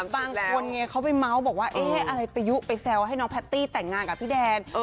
บางคนเขาไปเมาส์บอกว่าเอ๊ะอะไรประยุไปแซวให้น้องแพตตี้แต่งงานกับพี่แดน